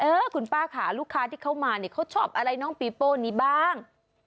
เออคุณป้าค่ะลูกค้าที่เขามาเนี่ยเขาชอบอะไรน้องปีโป้นี้บ้าง